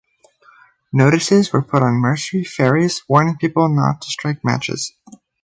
Notices were put on Mersey ferries warning people not to strike matches.